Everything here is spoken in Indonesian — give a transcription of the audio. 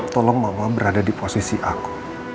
tolong mama berada di posisi aku